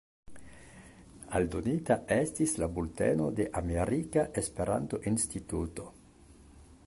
Aldonita estis la "Bulteno de Amerika Esperanto-Instituto".